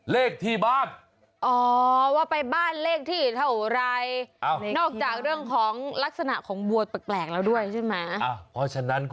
เลขที่บ้าน